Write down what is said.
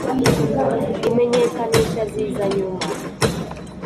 Imenyekanisha ziza nyuma.